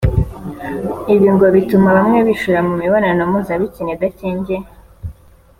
Ibi ngo bituma bamwe bishora mu mibonano mpuzabitsina idakingiye